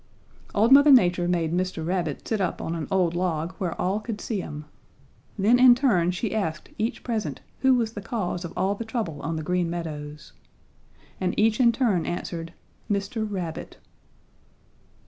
"Old Mother Nature made Mr. Rabbit sit up on an old log where all could see him. Then in turn she asked each present who was the cause of all the trouble on the Green Meadows. And each in turn answered 'Mr. Rabbit.'